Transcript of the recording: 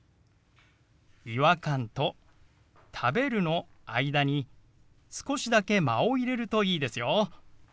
「違和感」と「食べる」の間に少しだけ間を入れるといいですよ。